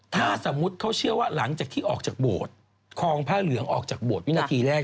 ถ้าสมมุติเขาเชื่อว่าหลังจากที่ออกจากโบสถ์คลองผ้าเหลืองออกจากโบสถวินาทีแรก